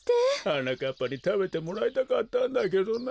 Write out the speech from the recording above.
はなかっぱにたべてもらいたかったんだけどな。